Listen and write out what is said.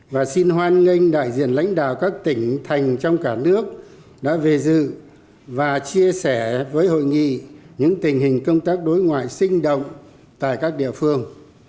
và xin hoan nghênh đại diện lãnh đạo các tỉnh thành trong cả nước đã về dự và chia sẻ với hội nghị những tình hình công tác đối ngoại sinh động tại các địa phương